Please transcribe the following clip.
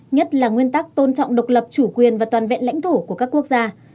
nhất là nguyên tắc tôn trọng độc lập chủ quyền và toàn vẹn lãnh thổ của các quốc gia